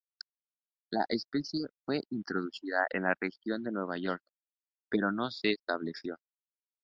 La especie fue introducida en la región de Nueva York, pero no se estableció.